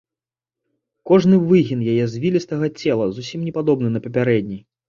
Кожны выгін яе звілістага цела зусім не падобны на папярэдні.